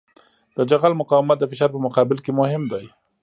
د جغل مقاومت د فشار په مقابل کې مهم دی